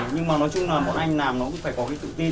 nhưng mà nói chung là một anh làm nó cũng phải có cái tự tin